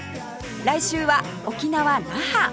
来週は沖縄那覇